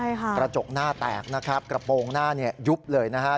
ได้ค่ะประจกหน้าแตกนะครับกระโปรงหน้ายุบเลยนะครับ